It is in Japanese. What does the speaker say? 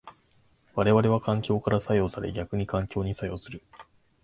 我々は環境から作用され逆に環境に作用する。